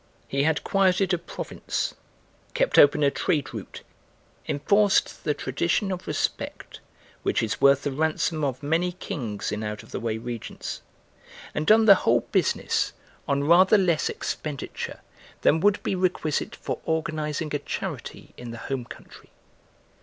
He had quieted a province, kept open a trade route, enforced the tradition of respect which is worth the ransom of many kings in out of the way regions, and done the whole business on rather less expenditure than would be requisite for organising a charity in the home country.